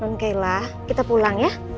non kelam kita pulang ya